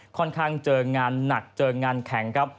ค่อนข้างเจอกันหนักเจอกันกันแขกครับ